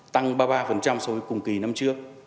tăng ba mươi ba so với cùng kỳ năm trước